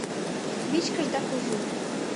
Вичкыж да кужу.